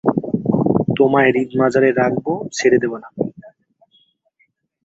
Fluoride হল সাধারণ fluorine anion.